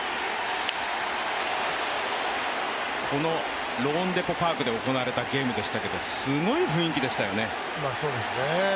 このローンデポ・パークで行われたゲームでしたけどすごい雰囲気でしたよね。